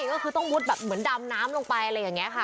ก็คือต้องมุดแบบเหมือนดำน้ำลงไปอะไรอย่างนี้ค่ะ